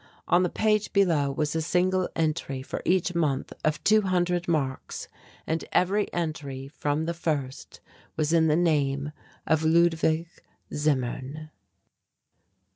On the page below was a single entry for each month of two hundred marks and every entry from the first was in the name of Ludwig Zimmern.